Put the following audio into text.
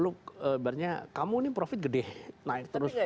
lalu barangnya kamu ini profit gede naik terus